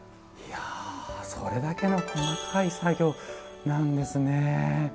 いやそれだけの細かい作業なんですね。